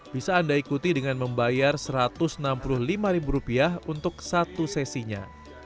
bisa anda ikuti dengan membayar rp satu ratus enam puluh lima untuk satu sesinya